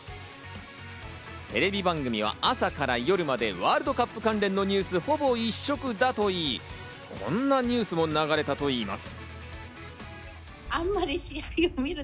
テレビ番組は朝から夜までワールドカップ関連のニュースほぼ一色だといい、こんなニュースも流れたといいます。